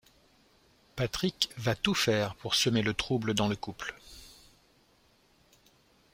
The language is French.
Patrick va tout faire pour semer le trouble dans le couple.